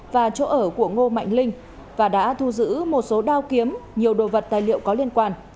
và chỗ ở của ngô mạnh linh và đã thu giữ một số đao kiếm nhiều đồ vật tài liệu có liên quan